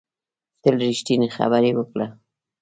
تل ریښتینې خبرې وکړه